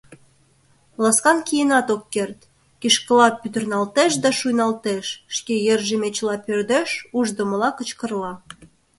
Ласкан киенат ок керт — кишкыла пӱтырналтеш да шуйналтеш, шке йырже мечыла пӧрдеш, ушдымыла кычкырла.